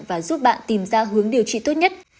và giúp bạn tìm ra hướng điều trị tốt nhất